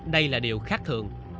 đây là điều khác thường